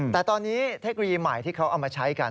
แต่ตอนนี้เทคโนโลยีใหม่ที่เขาเอามาใช้กัน